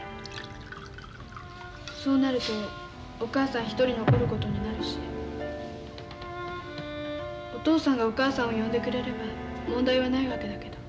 そうなるとお母さん一人残ることになるしお父さんがお母さんを呼んでくれれば問題はないわけだけど。